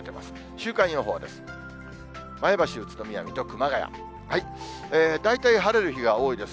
週間予報です。